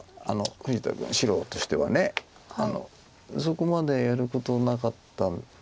富士田君白としてはそこまでやることなかったんですが。